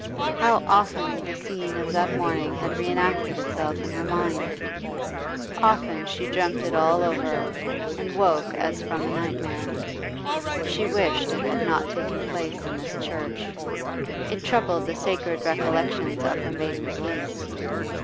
How often the scene of that morning had re enacted itself in her mind! Often she dreamed it all over, and woke as from a nightmare. She wished it had not taken place in this church; it troubled the sacred recollections of her maiden peace.